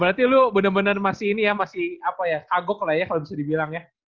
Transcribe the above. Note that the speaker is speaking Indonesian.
berarti lu bener bener masih ini ya masih apa ya kagok lah ya kalau bisa dibilang ya